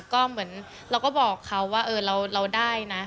ก็เหมือนเราก็บอกเขาว่าเราได้นะ